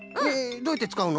どうやってつかうの？